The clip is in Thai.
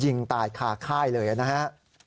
ยิงตายคาไข้เลยนะฮะ